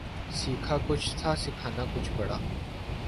سیکھا کچھ تھا سکھانا کچھ پڑا